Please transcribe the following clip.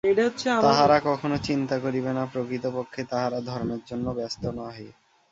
তাহারা কখনও চিন্তা করিবে না, প্রকৃতপক্ষে তাহারা ধর্মের জন্য ব্যস্ত নহে।